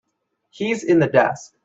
He's in the desk.